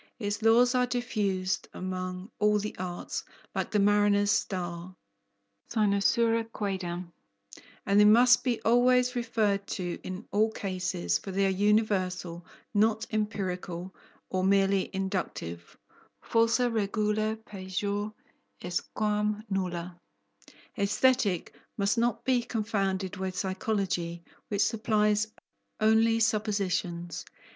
Its laws are diffused among all the arts, like the mariner's star (cynosura quaedam), and they must be always referred to in all cases, for they are universal, not empirical or merely inductive (falsa regula pejor est quam nulla). Aesthetic must not be confounded with Psychology, which supplies only suppositions.